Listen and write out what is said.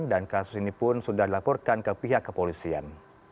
dan kasus ini pun sudah dilaporkan ke pihak kepolisian